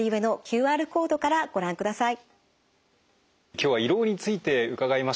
今日は胃ろうについて伺いました。